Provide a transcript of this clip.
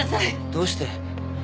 どうして？